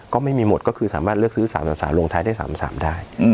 ก็ไม่มีหมดก็คือสามารถเลือกซื้อ๓๓ลงท้ายได้๓๓ได้